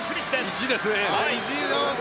意地ですね。